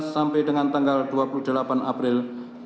sampai dengan dua puluh delapan april dua ribu enam belas